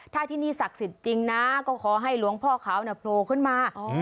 ถ้าที่นี่ศักดิ์สิทธิ์จริงนะก็ขอให้หลวงพ่อขาวโผล่ขึ้นมา